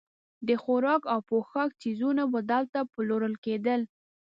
د خوراک او پوښاک څیزونه به دلته پلورل کېدل.